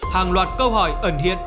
hàng loạt câu hỏi ẩn hiện